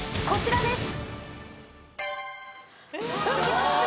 こちらです！